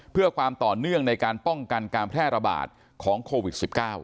เพื่อความต่อเนื่องในการป้องกันการแพร่ระบาดของโควิด๑๙